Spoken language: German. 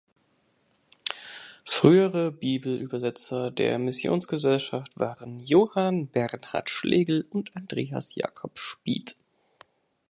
Frühe Bibelübersetzer der Missionsgesellschaft waren Johann Bernhard Schlegel und Andreas Jakob Spieth.